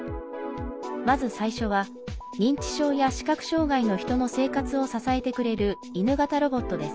まず最初は認知症や視覚障害の人の生活を支えてくれる犬型ロボットです。